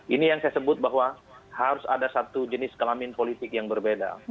ini yang saya sebut bahwa harus ada satu jenis kelamin politik yang berbeda